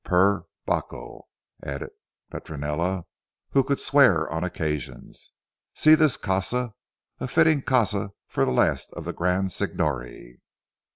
Per Bacco," added Petronella who could swear on occasions, "see this casa a fitting casa for the last of the grand signori."